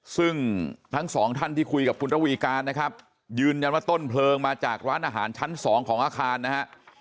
ซึ่งทั้งสองท่านที่คุยกับคุณระวีการนะครับยืนยันว่าต้นเพลิงมาจากร้านอาหารชั้นสองของอาคารนะฮะ